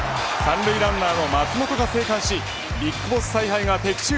３塁ランナーの松本が生還しＢＩＧＢＯＳＳ采配が的中。